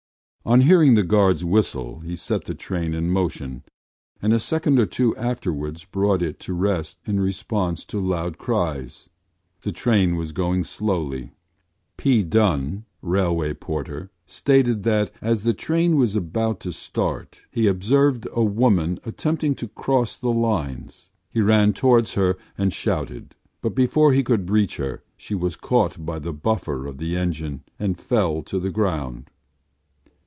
On hearing the guard’s whistle he set the train in motion and a second or two afterwards brought it to rest in response to loud cries. The train was going slowly. P. Dunne, railway porter, stated that as the train was about to start he observed a woman attempting to cross the lines. He ran towards her and shouted, but, before he could reach her, she was caught by the buffer of the engine and fell to the ground.